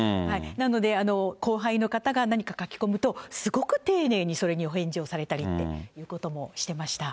なので、後輩の方が何か書き込むと、すごく丁寧にそれにお返事をされたりということもしてました。